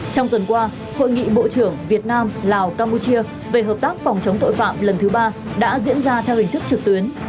trong tuần qua hội nghị bộ trưởng việt nam lào campuchia về hợp tác phòng chống tội phạm lần thứ ba đã diễn ra theo hình thức trực tuyến